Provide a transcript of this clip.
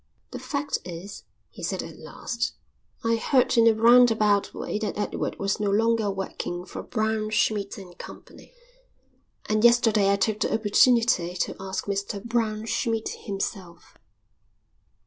"The fact is," he said at last, "I heard in a round about way that Edward was no longer working for Braunschmidt and Co., and yesterday I took the opportunity to ask Mr Braunschmidt himself."